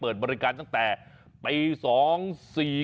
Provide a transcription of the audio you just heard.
เปิดบริการตั้งแต่ปี๒๔๙๗